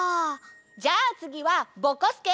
じゃあつぎはぼこすけ！